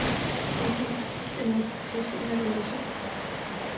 どうせまたシステム落ちて中止になるんでしょ